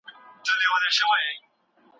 هيڅوک نه غواړي د تاريخ مطالعې زيار وباسي.